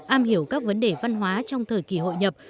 am hiểu các vấn đề văn hóa trong thời kỳ hội nhập